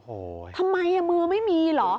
โอ้โหทำไมมือไม่มีเหรอ